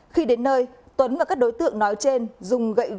khi đến nơi tuấn và các đối tượng nói trên dùng gậy